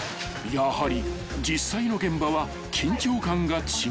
［やはり実際の現場は緊張感が違う］